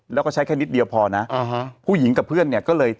แล้วก็ใช้แค่นิดเดียวพอนะผู้หญิงกับเพื่อนเนี่ยก็เลย